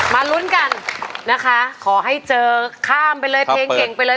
ลุ้นกันนะคะขอให้เจอข้ามไปเลยเพลงเก่งไปเลย